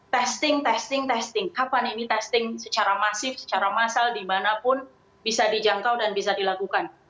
testing testing testing kapan ini testing secara masif secara massal dimanapun bisa dijangkau dan bisa dilakukan